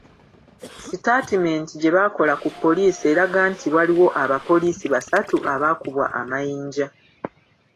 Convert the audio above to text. Sitatimenti gye bakola ku poliisi eraga nti waliwo abapoliisi basatu abaakubwa amayinja.